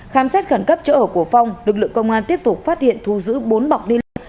khám xét khẩn cấp chỗ ở của phong lực lượng công an tiếp tục phát hiện thu giữ bốn bọc ni lông